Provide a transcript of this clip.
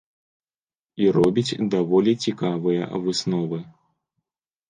І робіць даволі цікавыя высновы.